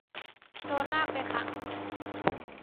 โดนลากไปขัง